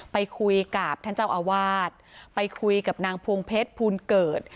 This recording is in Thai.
ไปคุยกับท่านเจ้าอาวาสไปคุยกับนางพวงเพชรภูลเกิด